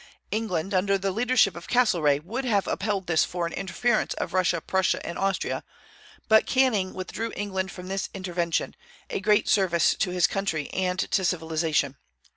England, under the leadership of Castlereagh, would have upheld this foreign interference of Russia, Prussia, and Austria; but Canning withdrew England from this intervention, a great service to his country and to civilization.